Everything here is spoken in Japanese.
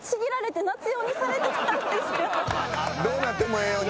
どうなってもええように。